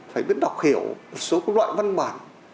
phải biết đọc hiểu một số loại văn bản